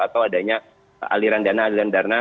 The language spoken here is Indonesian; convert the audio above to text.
atau adanya aliran dana aliran dana